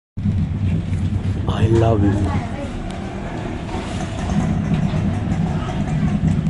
Jolla continued Nokia's efforts on a smartphone version.